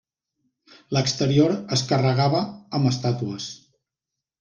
L'exterior es carregava amb estàtues.